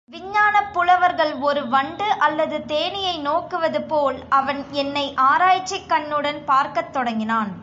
விஞ்ஞானப் புலவர்கள் ஒரு வண்டு அல்லது தேனீயை நோக்குவது போல் அவன் என்னை ஆராய்ச்சிக் கண்ணுடன் பார்க்கத் தொடங்கினான்.